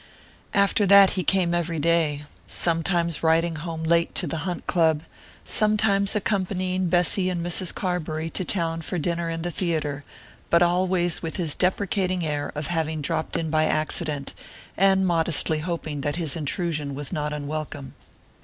After that he came every day, sometimes riding home late to the Hunt Club, sometimes accompanying Bessy and Mrs. Carbury to town for dinner and the theatre; but always with his deprecating air of having dropped in by accident, and modestly hoping that his intrusion was not unwelcome.